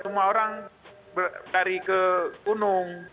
semua orang dari ke kunung